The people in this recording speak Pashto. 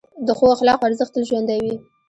د ښو اخلاقو ارزښت تل ژوندی وي.